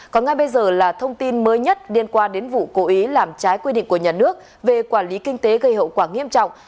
còn ngay bây giờ là thông tin mới nhất liên quan đến vụ cố ý làm trái quy định của nhà nước về quản lý kinh tế gây hậu quả nghiêm trọng